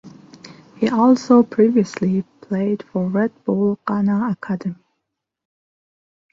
He also previously played for Red Bull Ghana Academy.